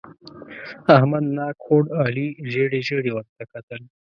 احمد ناک خوړ؛ علي ژېړې ژېړې ورته کتل.